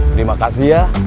terima kasih ya